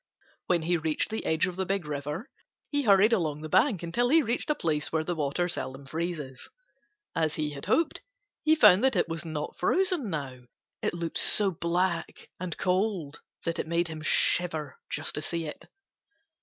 When he reached the edge of the Big River, he hurried along the bank until he reached a place where the water seldom freezes. As he had hoped, he found that it was not frozen now. It looked so black and cold that it made him shiver just to see it.